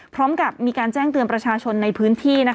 พร้อมกับมีการแจ้งเตือนประชาชนในพื้นที่